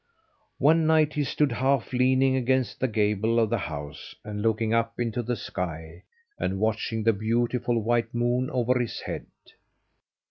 One night he stood, half leaning against the gable of the house, and looking up into the sky, and watching the beautiful white moon over his head.